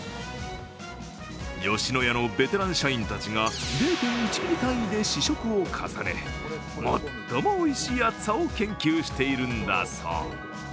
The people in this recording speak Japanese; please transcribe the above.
吉野家のベテラン社員たちが、０．１ミリ単位で試食を重ね最もおいしい厚さを研究しているんだそう。